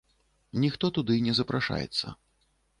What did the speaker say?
Ніхто туды не запрашаецца.